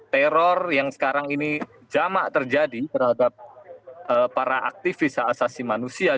teror yang sekarang ini jamak terjadi terhadap para aktivis hak asasi manusia